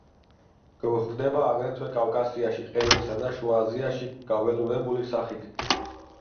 გვხვდება აგრეთვე კავკასიაში, ყირიმსა და შუა აზიაში გაველურებული სახით.